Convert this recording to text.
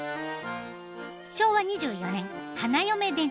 昭和２４年花嫁電車。